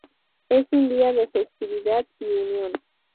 Es un día de festividad y unión.